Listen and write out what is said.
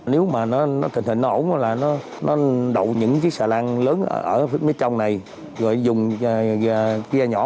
nếu mà nó tình hình nó ổn là nó đậu những chiếc xà lan lớn ở phía trong này rồi dùng kia nhỏ